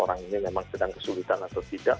orang ini memang sedang kesulitan atau tidak